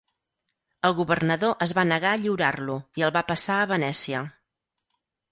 El governador es va negar a lliurar-lo, i el va passar a Venècia.